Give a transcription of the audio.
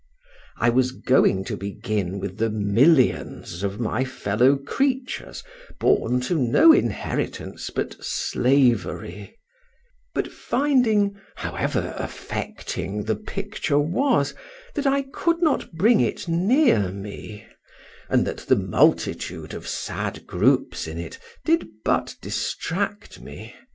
I was going to begin with the millions of my fellow creatures born to no inheritance but slavery: but finding, however affecting the picture was, that I could not bring it near me, and that the multitude of sad groups in it did but distract me.